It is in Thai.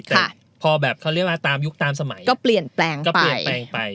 แต่พอแบบเขาเรียกว่าตามยุคตามสมัยก็เปลี่ยนแปลงไปก็เปลี่ยนแปลงไป